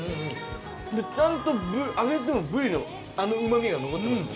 でちゃんと揚げてもブリのあのうまみが残ってますね。